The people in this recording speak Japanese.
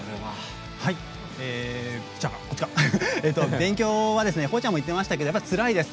勉強はこうちゃんも言ってましたけどつらいです。